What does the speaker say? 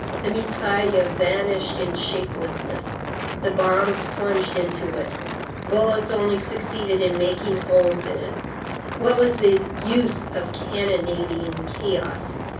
The mitraille vanished in shapelessness; the bombs plunged into it; bullets only succeeded in making holes in it; what was the use of cannonading chaos?